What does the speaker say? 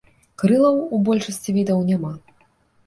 Крылаў у большасці відаў няма.